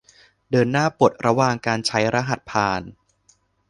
เดินหน้าปลดระวางการใช้รหัสผ่าน